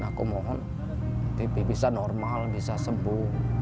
aku mohon pipi bisa normal bisa sembuh